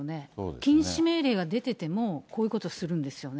禁止命令が出てても、こういうことするんですよね。